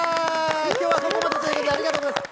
きょうはここまでということで、ありがとうございます。